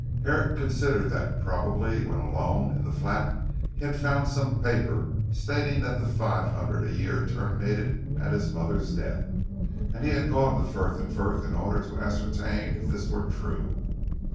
Herrick considered that probably when alone in the flat he had found some paper stating that the five hundred a year terminated at his mother's death, and had gone to Frith and Frith in order to ascertain if this were true.